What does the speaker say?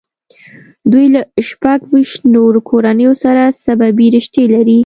دوی له شپږ ویشت نورو کورنیو سره سببي رشتې لري.